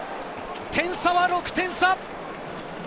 点差は６点差。